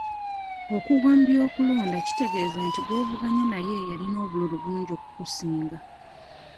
Okuggwa mu by'okulonda kitegeeza nti gw'ovuganya naye yalina obululu bungi okukusinga.